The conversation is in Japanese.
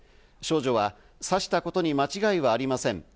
少女は刺したことに間違いはありません。